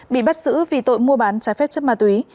bị bắt giữ vì tội mua bán trái phép chất ma túy